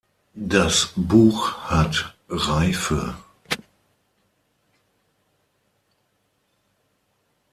Das Buch hat Reife.